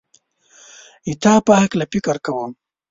ستا په هکله فکر کوم